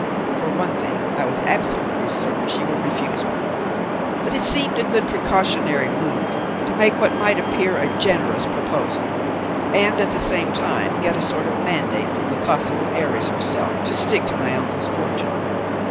For one thing I was absolutely certain she would refuse me, but it seemed a good precautionary move to make what might appear a generous proposal, and at the same time get a sort of mandate from the possible heiress herself to stick to my uncle's fortune.